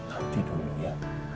hati dulu ya